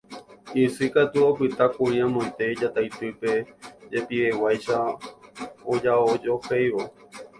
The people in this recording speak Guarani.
Isy katu opytákuri amoite Jataitýpe jepiveguáicha ojaojohéivo